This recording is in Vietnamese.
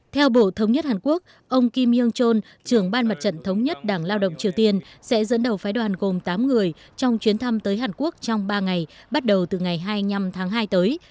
theo bộ thống nhất hàn quốc ông kim yung chon trưởng ban mặt trận thống nhất đảng lao động triều tiên sẽ dẫn đầu phái đoàn gồm tám người trong chuyến thăm tới hàn quốc trong ba ngày bắt đầu từ ngày hai mươi năm tháng hai tới